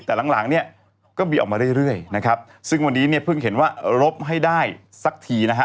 แต่หลังหลังเนี่ยก็มีออกมาเรื่อยนะครับซึ่งวันนี้เนี่ยเพิ่งเห็นว่ารบให้ได้สักทีนะฮะ